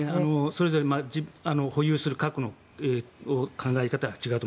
それぞれ保有する核の考え方が違うと。